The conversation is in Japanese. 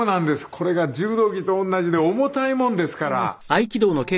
これが柔道着と同じで重たいもんですから。